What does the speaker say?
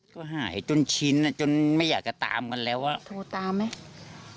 ก็หายจนชินอ่ะจนไม่อยากจะตามกันแล้วอ่ะโทรตามไหม